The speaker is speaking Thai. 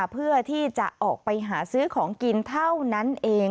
เพื่อที่จะออกไปหาซื้อของกินเท่านั้นเอง